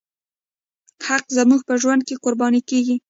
حق زموږ په ژوند کې قرباني کېږي.